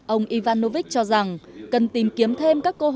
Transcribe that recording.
ông ivanovic cho rằng cần tìm kiếm thêm các cơ hội đầu tư